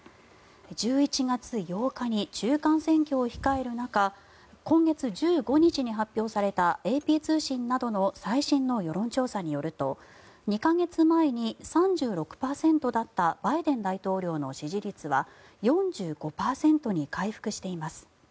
１１月８日に中間選挙を控える中今月１５日に発表されたＡＰ通信などの最新の世論調査によると２か月前に３６％だったバイデン大統領の支持率は４５％に回復しています。